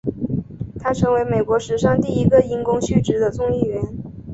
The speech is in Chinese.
他成为美国史上第一个因公殉职的众议员。